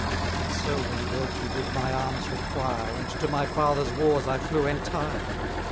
Not so when virtue did my arms require, And to my father's wars I flew entire.